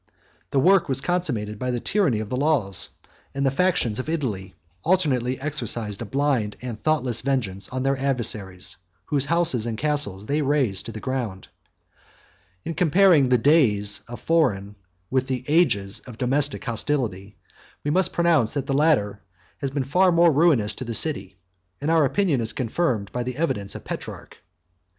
The work was consummated by the tyranny of the laws; and the factions of Italy alternately exercised a blind and thoughtless vengeance on their adversaries, whose houses and castles they razed to the ground. 47 In comparing the days of foreign, with the ages of domestic, hostility, we must pronounce, that the latter have been far more ruinous to the city; and our opinion is confirmed by the evidence of Petrarch.